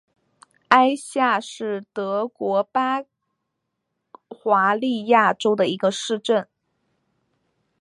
艾夏是德国巴伐利亚州的一个市镇。